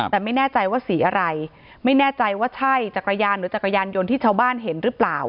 แต่ไม่แน่ใจว่าสีอะไรไม่แน่ใจว่าใช่จักรยานหรือจักรยานยนต์ที่ชาวบ้านเห็นหรือเปล่า